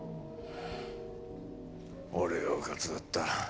俺がうかつだった。